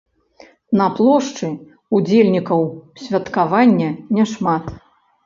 На плошчы ўдзельнікаў святкавання няшмат.